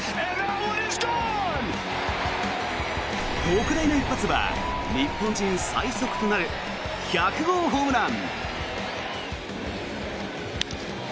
特大の一発は日本人最速となる１００号ホームラン。